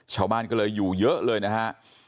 ชาวบ้านก็เลยอยู่เยอะเลยนะฮะ